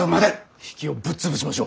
比企をぶっ潰しましょう！